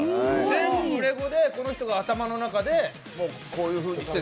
全部レゴでこの人が頭の中でこういうふうにして。